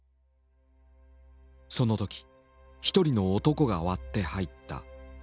その時一人の男が割って入った。